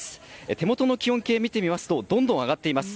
手元の気温計を見てみますとどんどん上がっています。